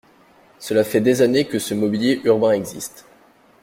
Cela fait des années que ce mobilier urbain existe.